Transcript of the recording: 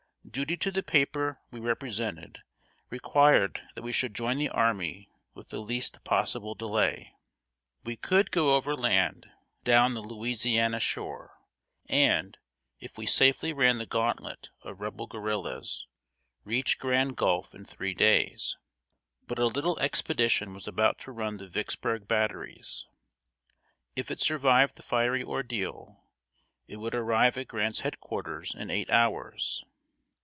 Duty to the paper we represented required that we should join the army with the least possible delay. We could go over land, down the Louisiana shore, and, if we safely ran the gauntlet of Rebel guerrillas, reach Grand Gulf in three days. But a little expedition was about to run the Vicksburg batteries. If it survived the fiery ordeal, it would arrive at Grant's head quarters in eight hours.